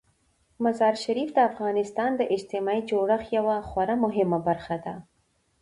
مزارشریف د افغانستان د اجتماعي جوړښت یوه خورا مهمه برخه ده.